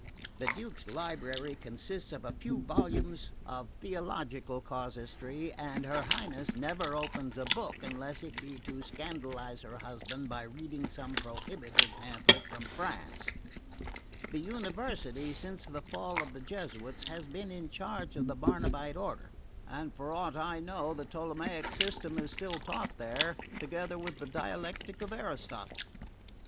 The Duke's library consists of a few volumes of theological casuistry, and her Highness never opens a book unless it be to scandalise her husband by reading some prohibited pamphlet from France. The University, since the fall of the Jesuits, has been in charge of the Barnabite order, and, for aught I know, the Ptolemaic system is still taught there, together with the dialectic of Aristotle.